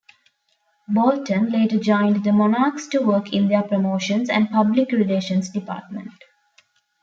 Bolton later joined the Monarchs to work in their promotions and public relations department.